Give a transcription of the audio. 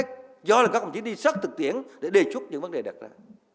mà từ đó do là các công chức đi sớt thực tiễn để đề chúc những vấn đề đặt ra